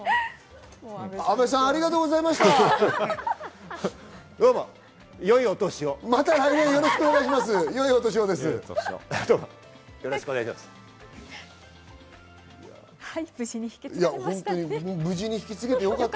阿部さん、ありがとうございました。